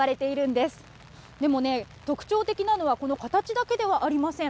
でもね、特徴的なのはこの形だけではありません。